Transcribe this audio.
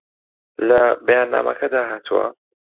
لە بەیاننامەکەدا هاتووە